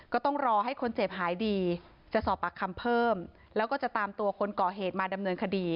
ก็ต้องรอให้คนเจ็บหายดีจะสอบปากคำเพิ่มแล้วก็จะตามตัวคนก่อเหตุมาดำเนินคดี